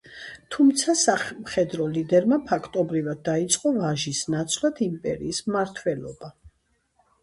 თუმცა, სამხედრო ლიდერმა ფაქტობრივად დაიწყო ვაჟის ნაცვლად იმპერიის მმართველობა.